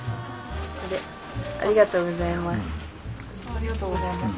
ありがとうございます。